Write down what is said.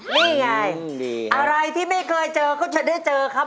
นี่ไงอะไรที่ไม่เคยเจอก็จะได้เจอครับ